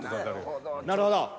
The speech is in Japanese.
なるほど！